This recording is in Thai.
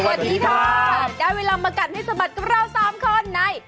สวัสดีค่ะได้เวลามากัดให้สะบัดกับเราสามคนใน